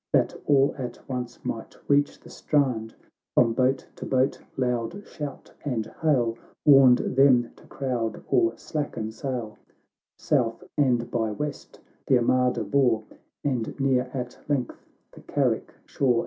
That all at once might reach the straud, Prom boat to boat loud shout and hail "Warned them to crowd or slacken sail South and by west the armada bore, And near at length the Carrick shore.